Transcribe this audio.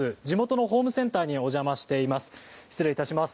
地元のホームセンターにお邪魔しています。